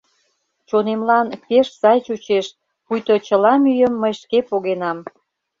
Чонемлан пеш сай чучеш, пуйто чыла мӱйым мый шке погенам.